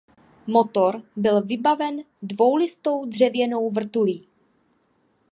Motor byl vybaven dvoulistou dřevěnou vrtulí.